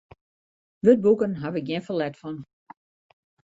Wurdboeken haw ik gjin ferlet fan.